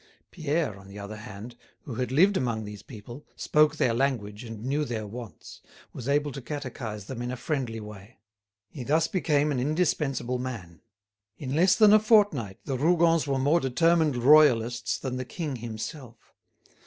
Pierre, on the other hand, who had lived among these people, spoke their language and knew their wants, was able to catechise them in a friendly way. He thus became an indispensable man. In less than a fortnight the Rougons were more determined royalists than the king himself.